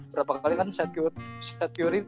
berapa kali kan seth curry